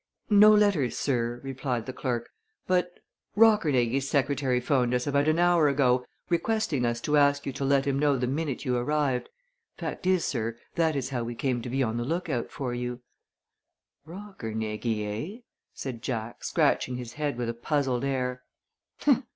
"No letters, sir," replied the clerk, "but Rockernegie's secretary 'phoned us about an hour ago requesting us to ask you to let him know the minute you arrived fact is, sir, that is how we came to be on the lookout for you." "Rockernegie, eh?" said Jack, scratching his head with a puzzled air.